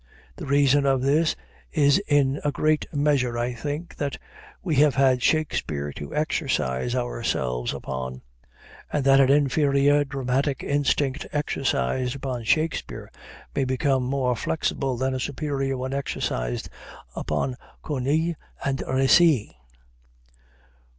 The reason of this is in a great measure, I think, that we have had Shakespeare to exercise ourselves upon, and that an inferior dramatic instinct exercised upon Shakespeare may become more flexible than a superior one exercised upon Corneille and Racine.